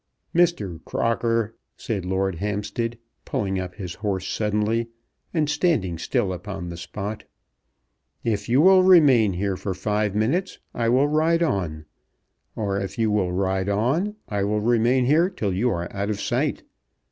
"Mr. Crocker," said Lord Hampstead, pulling up his horse suddenly, and standing still upon the spot, "if you will remain here for five minutes I will ride on; or if you will ride on I will remain here till you are out of sight.